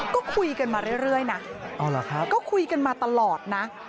ก็คุยกันมาเรื่อยนะก็คุยกันมาตลอดนะ